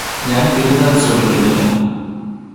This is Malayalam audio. ഞാൻ തിരുത്താൻ ശ്രമിക്കുന്നില്ല.